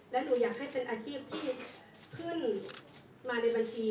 และหนูอยากให้เป็นอาชีพที่ขึ้นมาในบัญชี